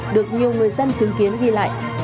được nhiều người dân chứng kiến ghi lại